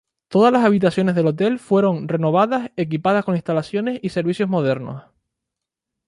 Todas las habitaciones del hotel fueron renovadas equipadas con instalaciones y servicios modernos.